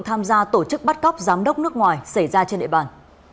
tham gia tổ chức bắt cóc giám đốc nước ngoài xảy ra trên địa bàn